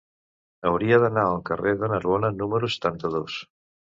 Hauria d'anar al carrer de Narbona número setanta-dos.